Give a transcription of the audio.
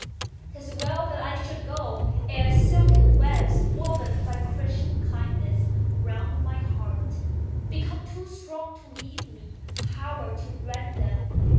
'Tis well that I should go, ere silken webs, Woven by Christian kindness round my heart, Become too strong to leave me power to rend them.